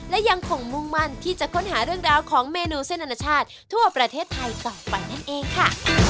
และยังคงมุ่งมั่นที่จะค้นหาเรื่องราวของเมนูเส้นอนาชาติทั่วประเทศไทยต่อไปนั่นเองค่ะ